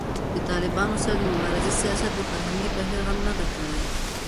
د طالبانو سره د مبارزې سیاست د فرهنګي بهیر غم نه دی کړی